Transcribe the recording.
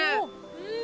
うん！